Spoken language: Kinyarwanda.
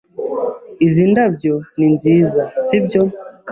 Izi ndabyo ni nziza, sibyo?